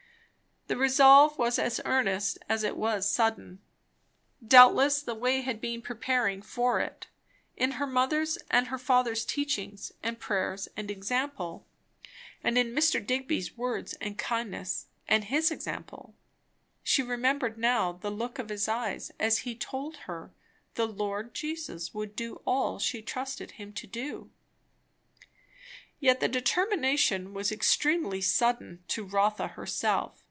The resolve was as earnest as it was sudden. Doubtless the way had been preparing for it, in her mother's and her father's teachings and prayers and example, and in Mr. Digby's words and kindness and his example; she remembered now the look of his eyes as he told her the Lord Jesus would do all she trusted him to do. Yet the determination was extremely sudden to Rotha herself.